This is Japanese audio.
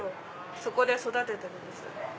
そこで育ててるんです。